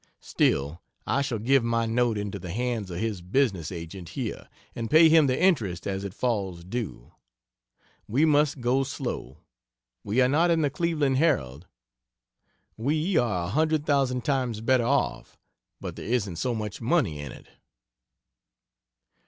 Still, I shall give my note into the hands of his business agent here, and pay him the interest as it falls due. We must "go slow." We are not in the Cleveland Herald. We are a hundred thousand times better off, but there isn't so much money in it.